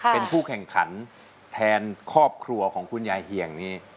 เป็นผู้แข่งขันแทนครอบครัวของคุณยายเอี่ยงนี่